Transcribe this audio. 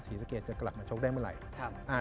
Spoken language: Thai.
ศรีสะเกดจะกลับมาชกได้เมื่อไหร่